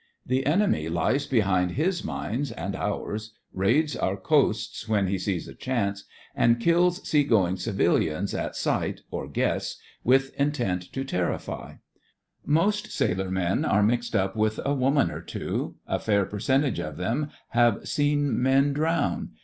The enemy lies behind his mines, and ours, raids our coasts when he sees a chance, and kills seagoing 90 THE FRINGES OF THE FLEET civilians at sight or guess, with intent to terrify. Most sailor men are mixed up with a woman or two; a fair percentage of them have seen men drown.